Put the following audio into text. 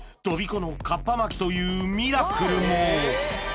このかっぱ巻きというミラクルも！